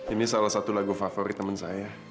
ini salah satu lagu favorit teman saya